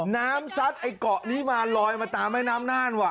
ซัดไอ้เกาะนี้มาลอยมาตามแม่น้ำน่านว่